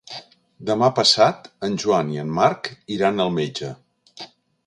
Demà passat en Joan i en Marc iran al metge.